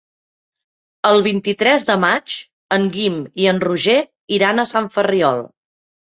El vint-i-tres de maig en Guim i en Roger iran a Sant Ferriol.